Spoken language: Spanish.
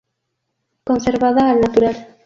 Conservada al natural.